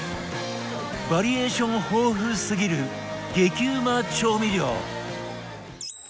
バリエーション豊富すぎる激うま調味料